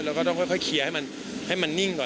แล้วก็ต้องค่อยเคลียร์ให้มันนิ่งก่อน